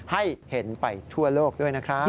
ให้เห็นไปทั่วโลกด้วยนะครับ